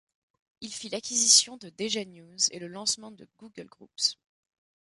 Il fit l'acquisition de DejaNews et le lancement de Google Groups.